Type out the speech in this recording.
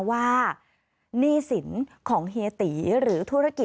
ฟังเสียงลูกจ้างรัฐตรเนธค่ะ